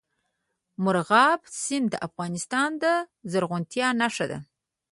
مورغاب سیند د افغانستان د زرغونتیا نښه ده.